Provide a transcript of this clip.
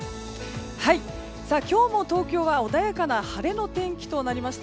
今日も東京は穏やかな晴れの天気となりました。